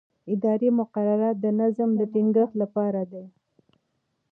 اداري مقررات د نظم د ټینګښت لپاره دي.